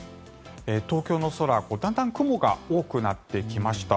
東京の空、だんだん雲が多くなってきました。